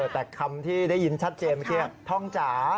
แต่คำที่ได้ยินชัดเจนคือทองจ๋า